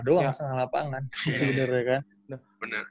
doang setengah lapangan sebenernya kan